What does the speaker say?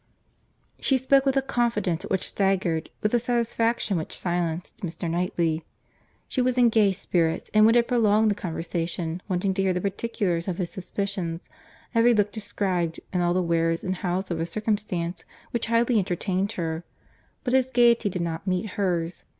She spoke with a confidence which staggered, with a satisfaction which silenced, Mr. Knightley. She was in gay spirits, and would have prolonged the conversation, wanting to hear the particulars of his suspicions, every look described, and all the wheres and hows of a circumstance which highly entertained her: but his gaiety did not meet hers.